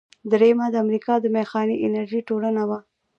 دریمه د امریکا د میخانیکي انجینری ټولنه وه.